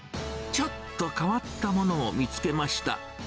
ちょっと変わったものを見つけました。